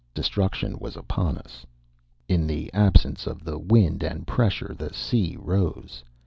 Destruction was upon us. In the absence of the wind and pressure the sea rose.